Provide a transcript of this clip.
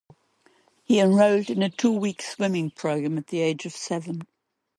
He enrolled in a two-week swimming program at the age of seven.